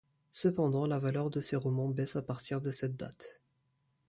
Cependant, la valeur de ses romans baisse à partir de cette date.